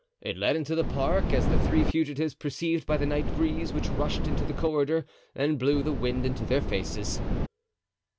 It led into the park, as the three fugitives perceived by the night breeze which rushed into the corridor and blew the wind into their faces.